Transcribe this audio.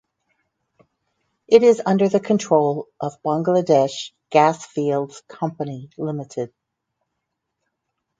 It is under the control of Bangladesh Gas Fields Company Limited.